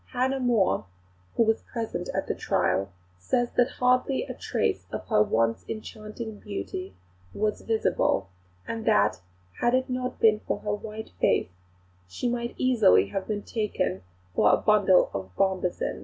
Hannah More, who was present at the trial, says that hardly a trace of her once enchanting beauty was visible; and that, had it not been for her white face, "she might easily have been taken for a bundle of bombasin."